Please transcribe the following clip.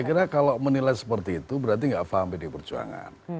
saya kira kalau menilai seperti itu berarti nggak paham pdi perjuangan